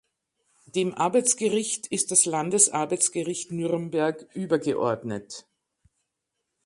Dem Arbeitsgericht ist das Landesarbeitsgericht Nürnberg übergeordnet.